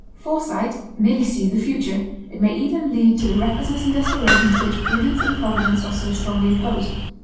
Foresight merely sees the future, and may even lead to the recklessness and desperation to which prudence and providence are so strongly opposed.